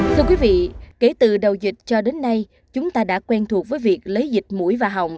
thưa quý vị kể từ đầu dịch cho đến nay chúng ta đã quen thuộc với việc lấy dịch mũi và hỏng